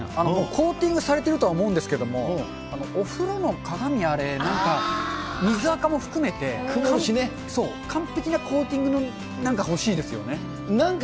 コーティングされてるとは思うんですけれども、お風呂の鏡、あれ、なんか、水あかも含めて、完璧なコーティングのなんか欲しいですよね。